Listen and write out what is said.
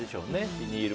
ビニール